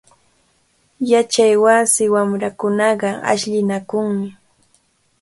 Yachaywasi wamrakunaqa ashllinakunmi.